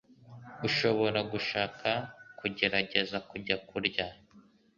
Urashobora gushaka kugerageza kujya kurya.